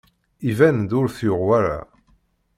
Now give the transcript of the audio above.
Iban-d ur t-yuɣ wara.